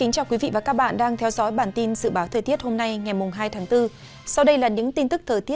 các bạn hãy đăng ký kênh để ủng hộ kênh của chúng mình nhé